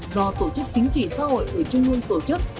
do tổ chức chính trị xã hội ở trung ương tổ chức